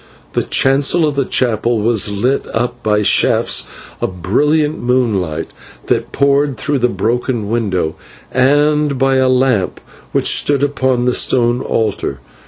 The chancel of the chapel was lit up by shafts of brilliant moonlight that poured through the broken window, and by a lamp which stood upon the stone altar.